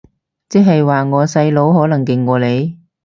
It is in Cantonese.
即係話我細佬可能勁過你